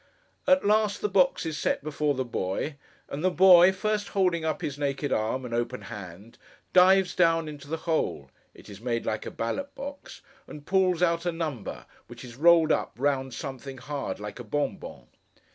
At last, the box is set before the boy; and the boy, first holding up his naked arm and open hand, dives down into the hole (it is made like a ballot box) and pulls out a number, which is rolled up, round something hard, like a bonbon.